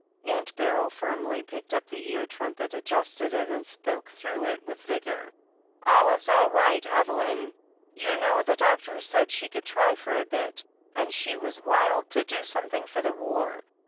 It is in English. Aunt Beryl firmly picked up the ear trumpet, ad justed it, and spoke through it with vigour. "Olive's all right, Evelyn! You know the doctor said she could try it for a bit, and she was wild to do something for the war.